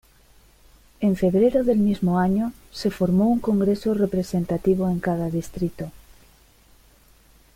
En febrero del mismo año, se formó un congreso representativo en cada distrito.